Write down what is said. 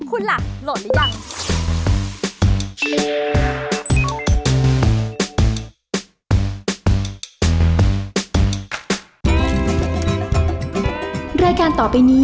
คุณล่ะโหลดหรือยัง